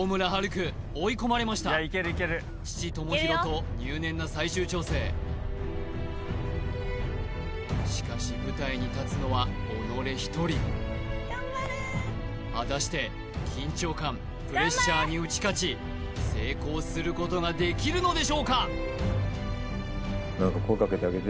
空追い込まれました父・朋宏と入念な最終調整しかし舞台に立つのは己一人果たして緊張感プレッシャーに打ち勝ち成功することができるのでしょうか？